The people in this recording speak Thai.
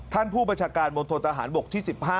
ท่านผู้ประชาการบนโทษทหารบกที่๑๕